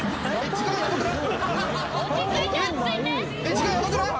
時間ヤバくない？